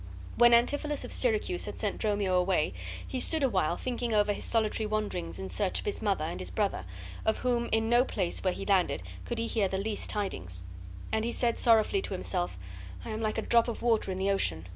When Antipholus of Syracuse had sent Dromio away, he stood awhile thinking over his solitary wanderings in search of his mother and his brother, of whom in no place where he landed could he hear the least tidings; and he said sorrowfully to himself, "I am like a drop of water in the ocean.